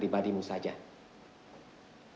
kamu perlu mengatakan